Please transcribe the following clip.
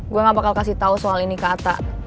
gue gak bakal kasih tau soal ini ke ata